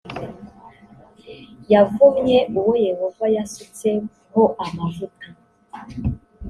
yavumye uwo yehova yasutseho amavuta